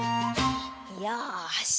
よし！